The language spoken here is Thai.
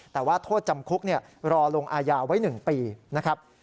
แต่ว่าโทษจำคุกรอลงอายาไว้๑ปีนะครับ